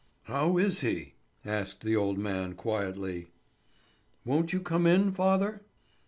"How is he?" asked the old man, quietly. "Won't you come in, father?"